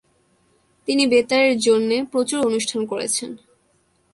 তিনি বেতারের জন্যে প্রচুর অনুষ্ঠান করেছেন।